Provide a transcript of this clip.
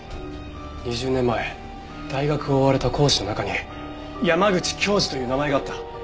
２０年前大学を追われた講師の中に山口享二という名前があった。